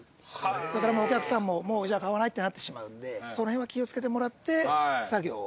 それからお客さんも、もうじゃあ買わないってなってしまうんで、その辺は気をつけてもらって、作業を。